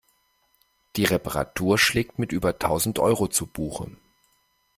Die Reparatur schlägt mit über tausend Euro zu Buche.